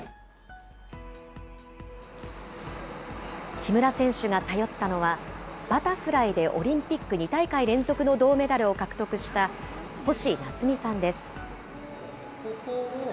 木村選手が頼ったのは、バタフライでオリンピック２大会連続の銅メダルを獲得した、星奈津美さんです。